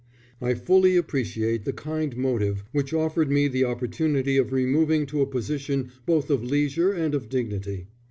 I fully appreciate the kind motive which offered me the opportunity of removing to a position both of leisure and of dignity.